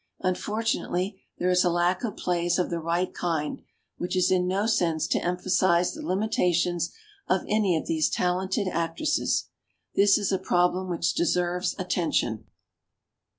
Unfortunately there is a lack of plays of the right kind, which is in no sense to emphasize the limitations of any of these talented actresses. This is a problem which deserves at tention.